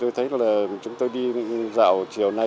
tôi thấy là chúng tôi đi dạo chiều nay